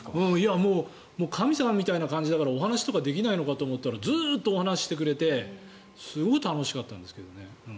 神様みたいな感じだからお話とかできないのかと思ったらずっとお話してくれてすごい楽しかったですけどね。